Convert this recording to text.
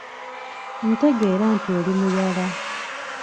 Ntegeera nti oli muyala.